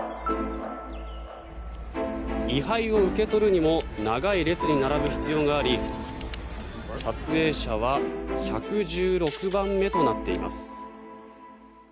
遺灰を受け取るにも長い列に並ぶ必要があり撮影者は１１６番目となっています。